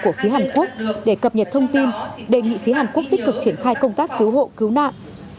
của phía hàn quốc để cập nhật thông tin đề nghị phía hàn quốc tích cực triển khai công tác cứu hộ cứu nạn